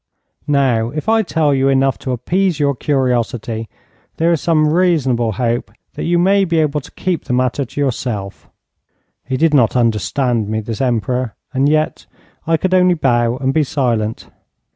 Now, if I tell you enough to appease your curiosity, there is some reasonable hope that you may be able to keep the matter to yourself.' He did not understand me, this Emperor, and yet I could only bow and be silent.